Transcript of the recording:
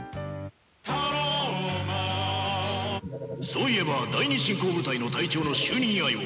そういえば第二侵攻部隊の隊長の就任祝いを。